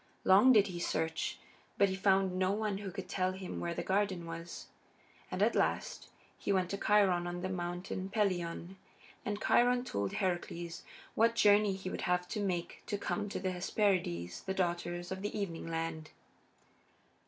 Long did he search, but he found no one who could tell him where the garden was. And at last he went to Chiron on the Mountain Pelion, and Chiron told Heracles what journey he would have to make to come to the Hesperides, the Daughters of the Evening Land.